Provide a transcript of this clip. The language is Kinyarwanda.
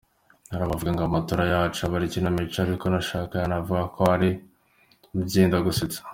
-Hari abavuga ngo amatora yacu aba ari ikinamico, ariko uwashaka yanavuga ko ari byendagusetsa.